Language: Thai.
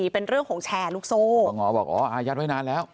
เป็นเรื่องของแชร์ลูกโซ่บอกอ๋ออายัดไว้นานแล้ว